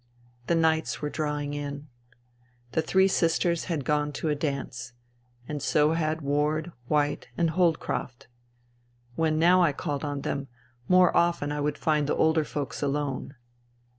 The nights were drawing in. The three sisters had gone to a dance. And so had Ward, White and Holdcroft. When now I called on them, more often I would find the older folks alone.